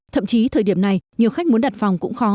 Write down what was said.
thậm chí thời điểm này nhiều khách muốn đặt phòng cũng khó